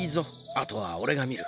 あとはおれがみる。